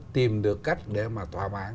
tìm được cách để mà thỏa mãn